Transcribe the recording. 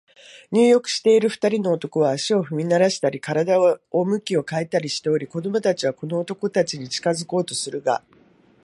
入浴している二人の男は、足を踏みならしたり、身体を向き変えたりしており、子供たちはこの男たちに近づこうとするが、